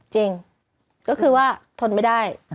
จริงก็คือว่าทนไม่ได้